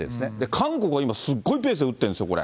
韓国は今、すっごいペースで打ってるんですよ、これ。